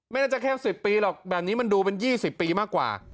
น่าจะแค่๑๐ปีหรอกแบบนี้มันดูเป็น๒๐ปีมากกว่า